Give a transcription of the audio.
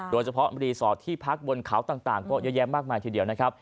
โดยเฉพาะรีสอร์ทที่พักบนเขาต่างก็เยอะแยะมากมายทีเดียวนะครับ